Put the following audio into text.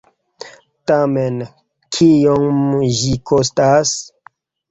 Tamen, kiom ĝi kostas?